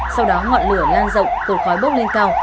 sau đó ngọn lửa lan rộng cột khói bốc lên cao